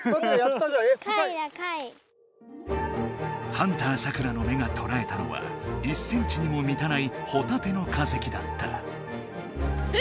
ハンターサクラの目がとらえたのは１センチにもみたないホタテの化石だった。